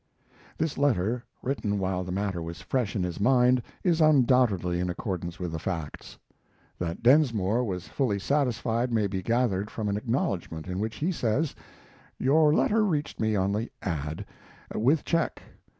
This letter, written while the matter was fresh in his mind, is undoubtedly in accordance with the facts. That Densmore was fully satisfied may be gathered from an acknowledgment, in which he says: "Your letter reached me on the ad, with check.